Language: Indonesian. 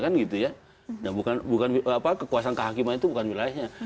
nah kekuasaan kehakiman itu bukan wilayahnya